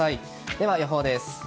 では予報です。